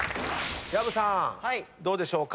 薮さんどうでしょうか？